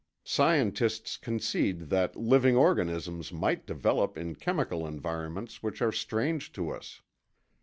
. Scientists concede that living organisms might develop in chemical environments which are strange to us